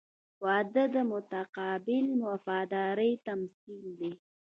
• واده د متقابل وفادارۍ تمثیل دی.